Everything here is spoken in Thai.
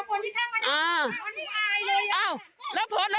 โอ้โหแล้วแต่ละคนที่ข้ามันอาจไม่อายเลย